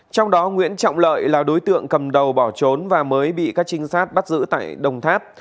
trong đó nguyễn trọng lợi là đối tượng cầm đầu bỏ trốn và mới bị các trinh sát bắt giữ tại đồng tháp